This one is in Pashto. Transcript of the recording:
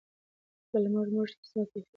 که لمر مړ شي ځمکه یخیږي.